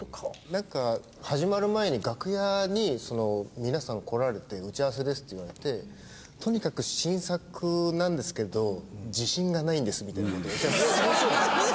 なんか始まる前に楽屋に皆さん来られて打ち合わせですって言われて「とにかく新作なんですけど自信がないんです」みたいな事。いや面白いよ。